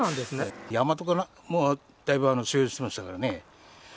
山とかも、だいぶ所有してましたからね。